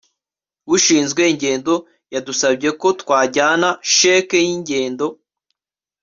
ushinzwe ingendo yadusabye ko twajyana cheque yingendo